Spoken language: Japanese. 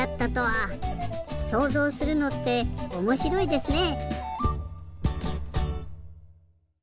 そうぞうするのっておもしろいですね。